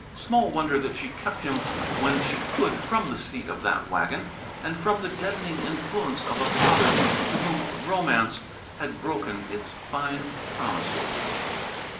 Small wonder that she kept him when she could from the seat of that wagon and from the deadening influence of a father to whom Romance had broken its fine promises.